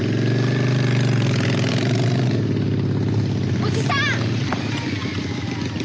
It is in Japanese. おじさん！